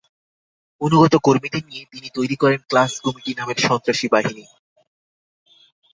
অনুগত কর্মীদের নিয়ে তিনি তৈরি করেন ক্লাস কমিটি নামের সন্ত্রাসী বাহিনী।